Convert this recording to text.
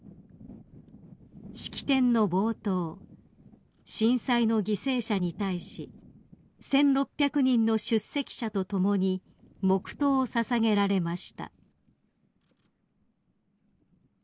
［式典の冒頭震災の犠牲者に対し１，６００人の出席者と共に黙とうを捧げられました］